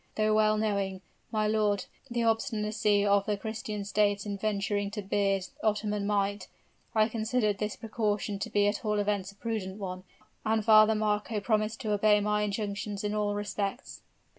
Though well knowing, my lord, the obstinancy of the Christian states in venturing to beard Ottoman might, I considered this precaution to be at all events a prudent one; and Father Marco promised to obey my injunctions in all respects."